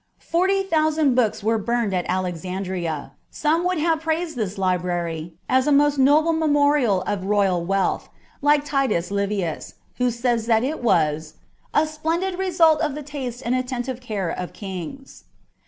Forty thousand books were burned at Alexandria: some would have praised this library as a most noble memorial of royal wealth, like Titus Livius, who says that it was " a splendid result of the taste and attentive care of the kings."